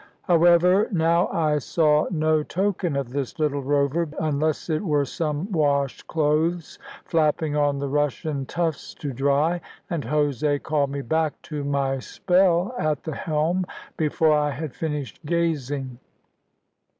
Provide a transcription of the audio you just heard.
However, now I saw no token of this little rover, unless it were some washed clothes flapping on the rushen tufts to dry; and Jose called me back to my spell at the helm before I had finished gazing.